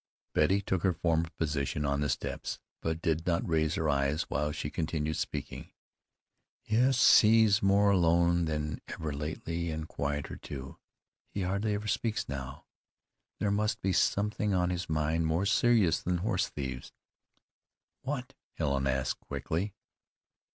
Betty took her former position on the steps, but did not raise her eyes while she continued speaking. "Yes, he's more alone than ever lately, and quieter, too. He hardly ever speaks now. There must be something on his mind more serious than horse thieves." "What?" Helen asked quickly.